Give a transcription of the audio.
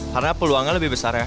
karena peluangnya lebih besar ya